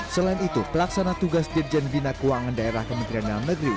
selain itu pelaksana tugas dirjen bina keuangan daerah kementerian dalam negeri